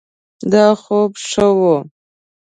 دا خوب ښه ؤ